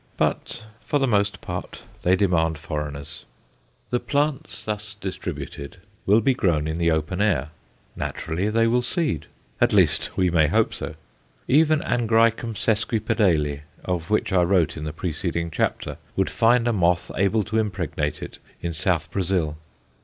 But for the most part they demand foreigners. The plants thus distributed will be grown in the open air; naturally they will seed; at least, we may hope so. Even Angræcum sesquipedale, of which I wrote in the preceding chapter, would find a moth able to impregnate it in South Brazil.